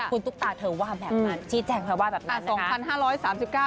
คุณตุ๊กตาเธอว่าแบบนั้นชี้แจงเธอว่าแบบนั้น